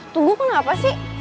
tunggu kok kenapa sih